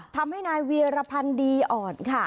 ทำให้นายเวียรพันธ์ดีอ่อนค่ะ